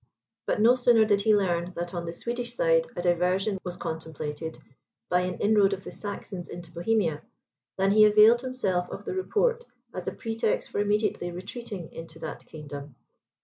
But no sooner did he learn that on the Swedish side a diversion was contemplated, by an inroad of the Saxons into Bohemia, than he availed himself of the report, as a pretext for immediately retreating into that kingdom.